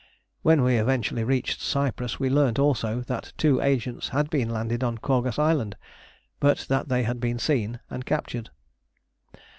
When we eventually reached Cyprus, we learnt also that two agents had been landed on Korghos Island, but that they had been seen and captured.